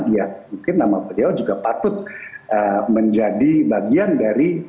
ya mungkin nama beliau juga patut menjadi bagian dari